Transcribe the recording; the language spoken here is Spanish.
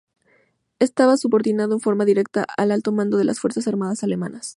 Estaba subordinado en forma directa al Alto Mando de las Fuerzas Armadas Alemanas.